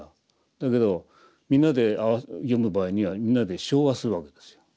だけどみんなで読む場合にはみんなで唱和するわけですよ。